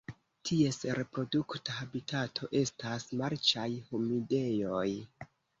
Ties reprodukta habitato estas marĉaj humidejoj.